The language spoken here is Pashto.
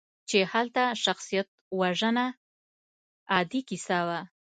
چې هلته شخصیتوژنه عادي کیسه وه.